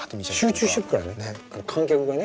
集中してるからね観客がね。